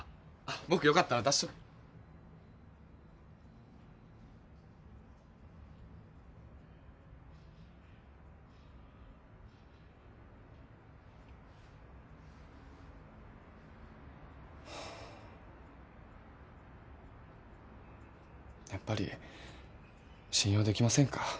僕よかったら出しときやっぱり信用できませんか？